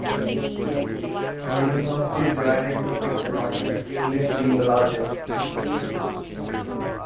The university is divided into six departments, English being the largest.